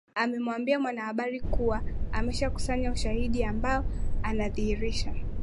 amewaambia wanahabari kuwa ameshakusanya ushahidi ambao unadhihirisha